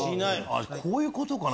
こういうことかな？